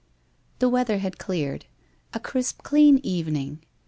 ... The weather had cleared. A crisp clean evening